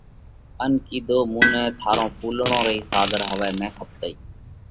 ان ڪِيڌو: مُون نئہ ٿارئِي ڦُولڙون رئِي ساۮر هوَئہ نه کپتئِي۔